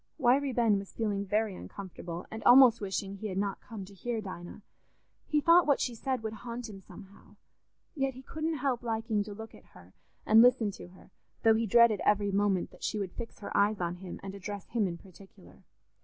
Wiry Ben was feeling very uncomfortable, and almost wishing he had not come to hear Dinah; he thought what she said would haunt him somehow. Yet he couldn't help liking to look at her and listen to her, though he dreaded every moment that she would fix her eyes on him and address him in particular.